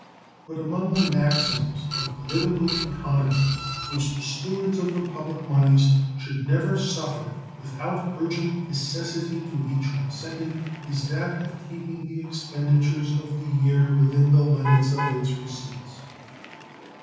But among the maxims of political economy which the stewards of the public moneys should never suffer without urgent necessity to be transcended is that of keeping the expenditures of the year within the limits of its receipts.